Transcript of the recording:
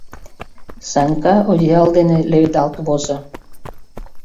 Санька одеял дене леведалт возо.